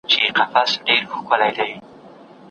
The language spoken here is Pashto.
ناوړه تصميم نيوونکي به په دنيا او آخرت کي سزاوي وويني.